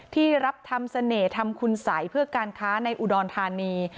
ที่รับทำเสน่ห์ทำคุณสัยเพื่อการค้าในอุดรธานี